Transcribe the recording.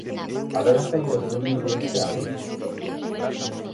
Haberá feiras do libro este ano?